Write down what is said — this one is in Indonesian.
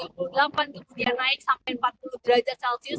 kemudian naik sampai empat puluh derajat celcius